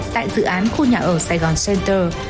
tại dự án khu nhà ở saigon center